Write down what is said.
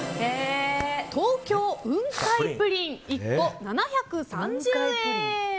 東京雲海プリン、１個７３０円。